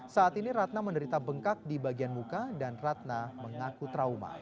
saat ini ratna menderita bengkak di bagian muka dan ratna mengaku trauma